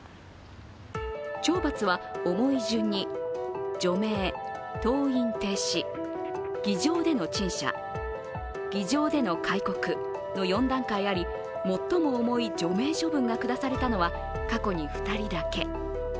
懲罰は重い順に除名、登院停止、議場での陳謝、議場での戒告の４段階あり最も重い除名処分が下されたのは過去に２人だけ。